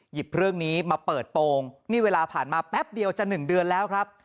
เรื่องนี้มาเปิดโปรงนี่เวลาผ่านมาแป๊บเดียวจะ๑เดือนแล้วครับ